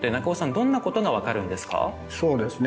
どんなことが分かるんですか？